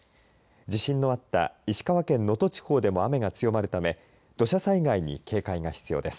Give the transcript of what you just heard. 地震のあった石川県能登地方でも雨が強まるため土砂災害に警戒が必要です。